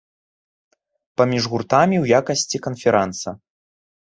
Паміж гуртамі ў якасці канферанса.